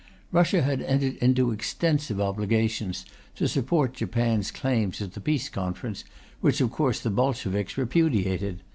Russia had entered into extensive obligations to support Japan's claims at the Peace Conference, which of course the Bolsheviks repudiated.